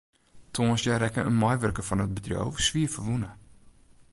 Tongersdei rekke in meiwurker fan it bedriuw swierferwûne.